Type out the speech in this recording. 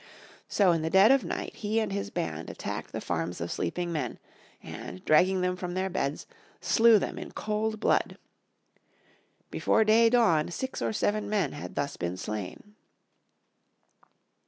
So in the dead of night he and his band attacked the farms of sleeping men, and, dragging them from their beds, slew them in cold blood. Before day dawned six or seven men had been thus slain.